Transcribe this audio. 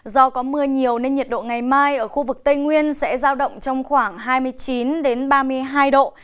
do có mưa nhiều nên nhiệt độ ngày mai ở khu vực tây nguyên sẽ giao động trong khoảng hai mươi chín ba mươi hai độ